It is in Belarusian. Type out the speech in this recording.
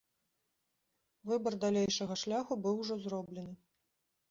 Выбар далейшага шляху быў ужо зроблены.